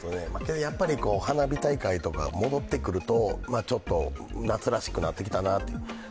花火大会とか戻ってくるとちょっと夏らしくなってきたなと。